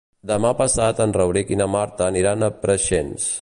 Demà passat en Rauric i na Marta aniran a Preixens.